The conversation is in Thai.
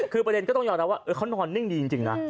คือประเด็นก็ต้องยอมรับว่าเขานอนนิ่งดีจริงนะ